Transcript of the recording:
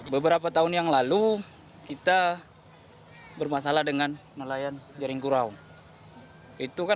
beberapa tahun yang lalu kita bermasalah dengan nelayan jaring kurau